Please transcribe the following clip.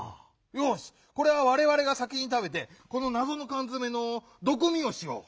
よしこれはわれわれが先にたべてこのなぞのかんづめのどくみをしよう！